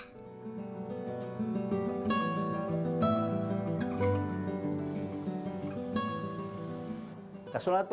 masjid agung keraton kesultanan buton